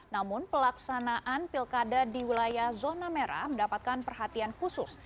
namun pelaksanaan pilkada di wilayah zona merah mendapatkan perhatian khusus